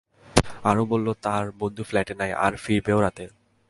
আরো বলল তার বন্ধু ফ্ল্যাটে নেই, আর ফিরবেও রাতে।